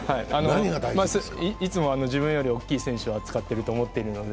いつも自分より大きい選手を扱っていると思っているので。